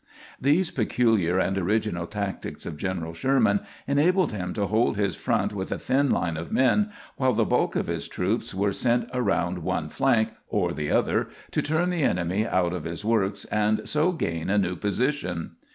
These peculiar and original tactics of General Sherman enabled him to hold his front with a thin line of men, while the bulk of his troops were sent around one flank or the other to turn the enemy out of his works and so gain a new position.